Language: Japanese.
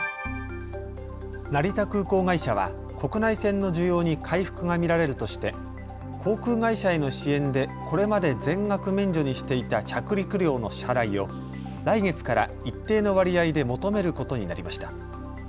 成田空港会社は国内線の需要に回復が見られるとして航空会社への支援でこれまで全額免除にしていた着陸料の支払いを来月から一定の割合で求めることになりました。